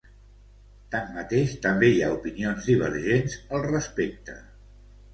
Tanmateix, també hi ha opinions divergents al respecte.